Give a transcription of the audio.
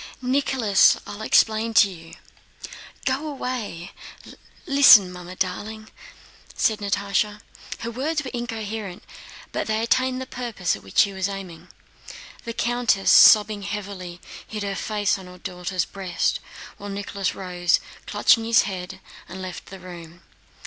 "Nicholas, I'll explain to you. Go away! Listen, Mamma darling," said Natásha. Her words were incoherent, but they attained the purpose at which she was aiming. The countess, sobbing heavily, hid her face on her daughter's breast, while Nicholas rose, clutching his head, and left the room.